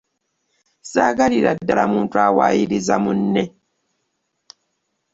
Saagalira ddala muntu awayiriza munne.